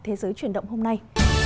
thế giới chuyển động hôm nay